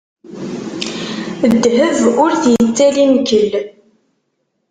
Ddheb ur t-ittali nnkel.